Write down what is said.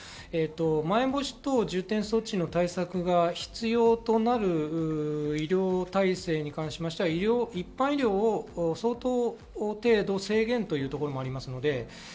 まん延防止等重点措置の対策が必要となる医療体制に関しては一般医療相当程度制限というところもあります。